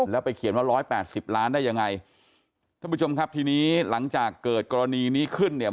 แล้วไปเขียนว่าร้อยแปดสิบล้านได้ยังไงท่านผู้ชมครับทีนี้หลังจากเกิดกรณีนี้ขึ้นเนี่ย